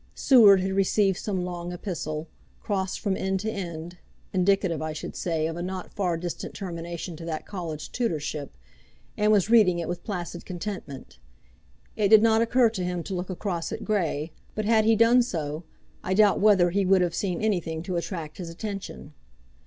Seward had received some long epistle, crossed from end to end, indicative, I should say, of a not far distant termination to that college tutorship, and was reading it with placid contentment. It did not occur to him to look across at Grey, but had he done so, I doubt whether he would have seen anything to attract his attention.